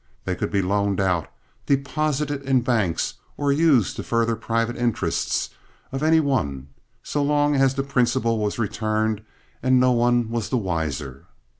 They could be loaned out, deposited in banks or used to further private interests of any one, so long as the principal was returned, and no one was the wiser.